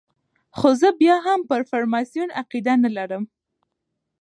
خو زه بیا هم پر فرماسون عقیده نه لرم.